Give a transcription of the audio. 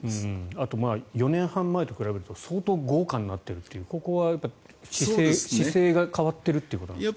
あと４年半前と比べると相当豪華になってるというここは姿勢が変わっているということなんですか？